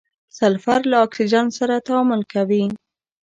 سلفر له اکسیجن سره تعامل کوي.